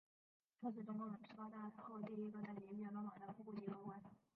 他是中共十八大后第一个在体育界落马的副部级高官。